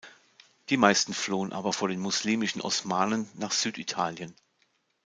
Die meisten flohen aber vor den muslimischen Osmanen nach Süditalien.